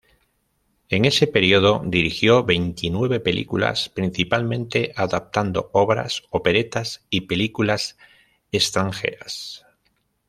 En ese período dirigió veintinueve películas, principalmente adaptando obras, operetas, y películas extranjeras.